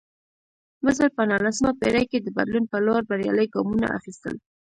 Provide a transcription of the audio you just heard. مصر په نولسمه پېړۍ کې د بدلون په لور بریالي ګامونه اخیستل.